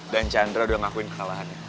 dan chandra udah ngakuin kalahannya